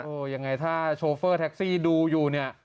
ยังไงถ้าโชเฟอร์แท็กซี่ดูอยู่เนี่ย